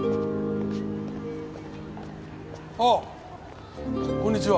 あこんにちは。